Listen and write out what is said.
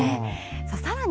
さらに